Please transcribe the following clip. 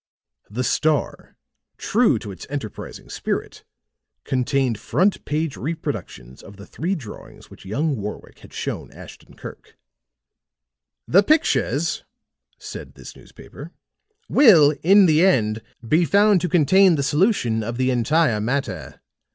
The Star, true to its enterprising spirit, contained front page reproductions of the three drawings which young Warwick had shown Ashton Kirk. "The pictures," said this newspaper, "will in the end be found to contain the solution of the entire matter.